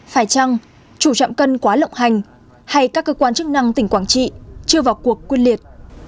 phải chăng chủ chạm cân quá lộng hành hay các cơ quan chức năng tỉnh quảng trị chưa vào cuộc quyết liệt